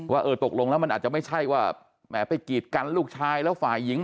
ว่าเออตกลงแล้วมันอาจจะไม่ใช่ว่าแหมไปกีดกันลูกชายแล้วฝ่ายหญิง